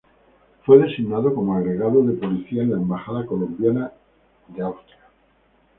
Fue designado como agregado de policía en la embajada colombiana en Austria.